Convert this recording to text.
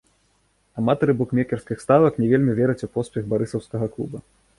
Аматары букмекерскіх ставак не вельмі вераць у поспех барысаўскага клуба.